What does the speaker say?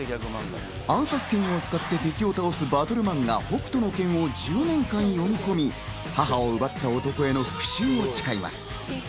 暗殺拳を使って敵を倒すバトルマンガ『北斗の拳』を１０年間読み込み、母を奪った男への復讐を誓います。